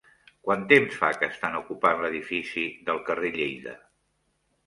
Quant temps fa que estan ocupant l'edifici del carrer Lleida?